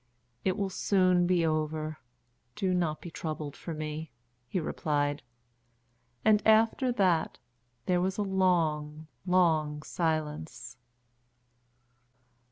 "It will soon be over. Do not be troubled for me," he replied. And after that there was a long, long silence.